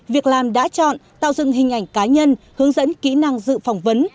việc làm đã chọn tạo dựng hình ảnh cá nhân hướng dẫn kỹ năng dự phỏng vấn